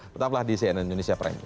tetaplah di cnn indonesia prime